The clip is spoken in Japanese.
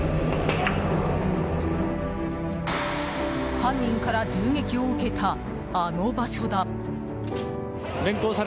犯人から銃撃を受けたあの場所だ。